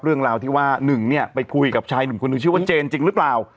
เรื่องราวที่ว่า๑ไปคุยกับชายหนึ่งคนนึงชื่อว่าเจนจริงรึเปล่า